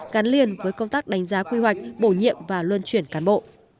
gắn liền với công tác đánh giá quy hoạch bổ nhiệm và luân chuyển cán bộ